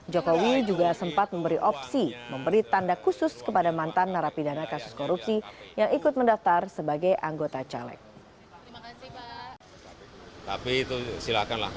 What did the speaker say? jokowi juga sempat memberi opsi memberi tanda khusus kepada mantan narapidana kasus korupsi yang ikut mendaftar sebagai anggota caleg